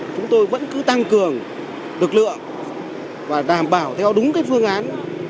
chúng tôi vẫn cứ tăng cường lực lượng và đảm bảo theo đúng phương án